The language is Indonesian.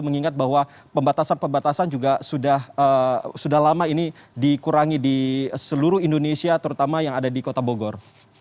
mengingat bahwa pembatasan pembatasan juga sudah lama ini dikurangi di seluruh indonesia terutama yang ada di kota bogor